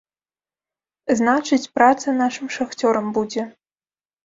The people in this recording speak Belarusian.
Значыць, праца нашым шахцёрам будзе.